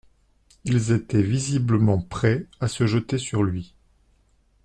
Ils étaient visiblement prêts à se jeter sur lui.